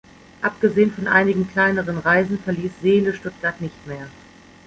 Abgesehen von einigen kleineren Reisen verließ Seele Stuttgart nicht mehr.